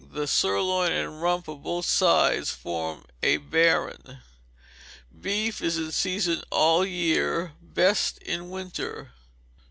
The sirloin and rump of both sides form a baron. _Beef is in season all the year; best in winter.